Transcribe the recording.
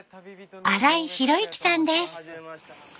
新井弘幸さんです。